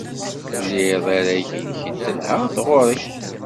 Tlid arrag-nnek n tenhaṛt ɣer-k.